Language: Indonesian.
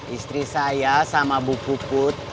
istri saya sama bu put